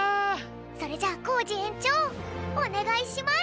それじゃあコージえんちょうおねがいします。